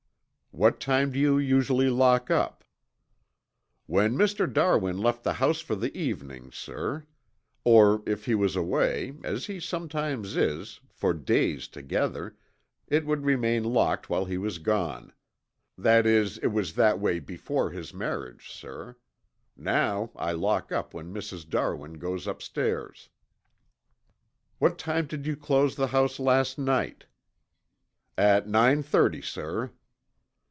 "What time do you usually lock up?" "When Mr. Darwin left the house for the evening, sir. Or if he was away, as he sometimes is, for days together, it would remain locked while he was gone. That is, it was that way before his marriage, sir. Now I lock up when Mrs. Darwin goes upstairs." "What time did you close the house last night?" "At nine thirty, sir."